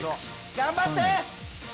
頑張って！